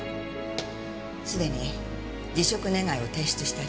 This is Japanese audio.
すでに辞職願を提出してあります。